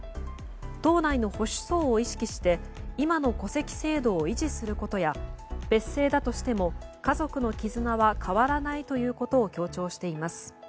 党内の保守層を意識して今の戸籍制度を維持することや別姓だとしても家族の絆は変わらないということを強調しています。